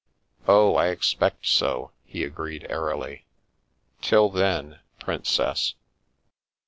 " Oh, I expect so !" he agreed airily. " Till then, prin cess